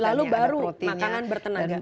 lalu baru makanan bertenaga